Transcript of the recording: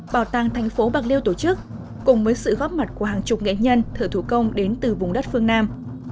bảo tàng thành phố bạc liêu tổ chức cùng với sự góp mặt của hàng chục nghệ nhân thợ thủ công đến từ vùng đất phương nam